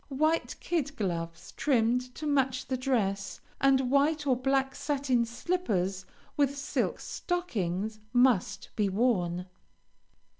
White kid gloves, trimmed to match the dress, and white or black satin slippers, with silk stockings, must be worn.